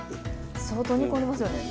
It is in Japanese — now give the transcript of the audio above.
相当煮込んでますよね。